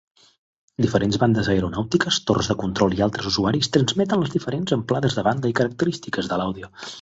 Diferents bandes aeronàutiques, torres de control i altres usuaris transmeten les diferents amplades de banda i característiques de l'àudio.